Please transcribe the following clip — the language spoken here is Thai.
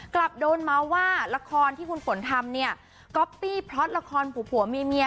กลับโดนมาว่าละครที่คุณผลทำเนี้ยก๊อปปี้พล็อตละครผู้ผัวเมียเมีย